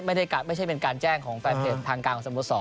อันนี้ก็ไม่ใช่การแจ้งของแฟนเพจทางกลางสมสรค์